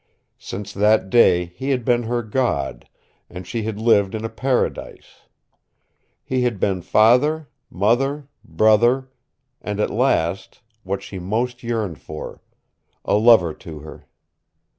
Since that day he had been her God, and she had lived in a paradise. He had been father, mother, brother, and at last what she most yearned for a lover to her.